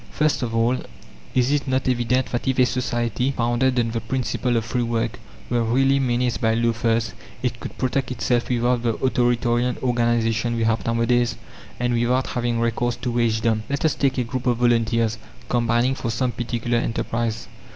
First of all, Is it not evident that if a society, founded on the principle of free work, were really menaced by loafers, it could protect itself without the authoritarian organization we have nowadays, and without having recourse to wagedom? Let us take a group of volunteers, combining for some particular enterprise.